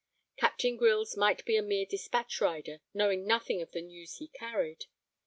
Captain Grylls might be a mere despatch rider knowing nothing of the news he carried.